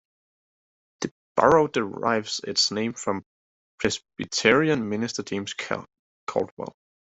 The borough derives its name from Presbyterian minister James Caldwell.